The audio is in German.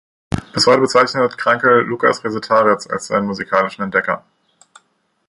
Bis heute bezeichnet Krankl Lukas Resetarits als seinen musikalischen Entdecker.